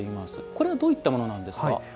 これはどういったものなんですか。